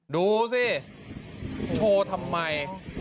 ดูสิโชว์ทำไม